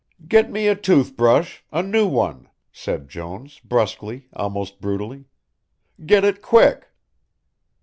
"Get me a tooth brush a new one," said Jones, brusquely, almost brutally. "Get it quick."